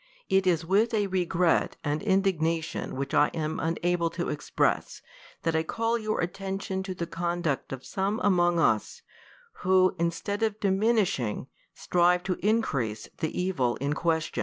It is with a regret and indignation which I am unable to express, that 1 call your attention to the conduct of some among us, who, instead of diminishing, strive to increase the evil in question.